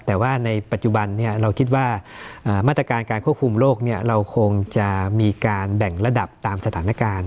แต่ว่าในปัจจุบันเราคิดว่ามาตรการการควบคุมโรคเราคงจะมีการแบ่งระดับตามสถานการณ์